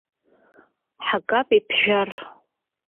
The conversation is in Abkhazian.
Ҳагап иԥжәар.